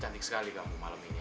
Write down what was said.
cantik sekali kamu malam ini ari